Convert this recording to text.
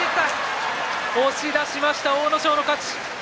押し出しました、阿武咲の勝ち。